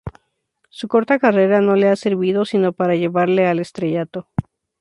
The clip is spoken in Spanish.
Su corta carrera no le ha servido sino para llevarle al estrellato.